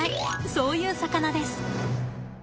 そういう魚です。